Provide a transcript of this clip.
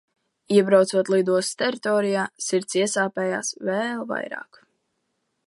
Iebraucot lidostas teritorijā, sirds iesāpējās vēl vairāk.